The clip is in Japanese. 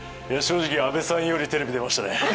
正直、阿部さんよりテレビ出ましたね。